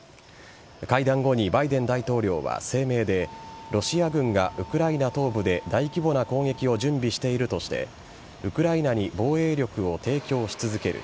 会談後にバイデン大統領は声明でロシア軍がウクライナ東部で大規模な攻撃を準備しているとしてウクライナに防衛力を提供し続ける。